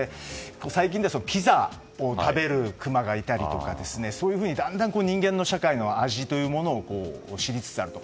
最近だとピザを食べるクマがいたりとかそういうふうに、だんだん人間社会の味というものを知りつつあると。